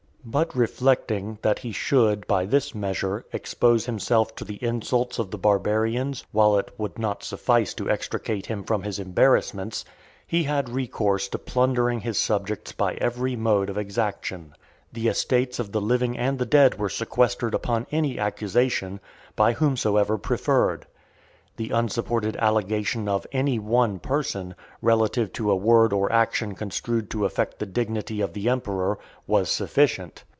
But reflecting, that he should, by this measure, expose himself to the insults of the barbarians, while it would not suffice to extricate him from his embarrassments, he had recourse to plundering his subjects by every mode of exaction. The estates of the living and the dead were sequestered upon any accusation, by whomsoever preferred. The unsupported allegation of any one person, relative to a word or action construed to affect the dignity of the emperor, was sufficient.